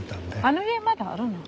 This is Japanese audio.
あの家まだあるの？